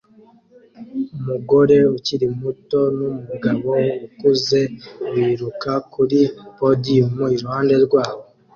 Umugore ukiri muto numugabo ukuze biruka kuri podiyumu iruhande rwabo